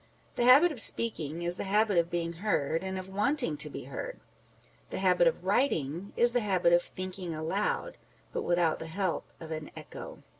The habit of speaking is the habit of being heard, and of wanting to be heard : the habit of writing is the habit of thinking aloud, but without the help of an echo.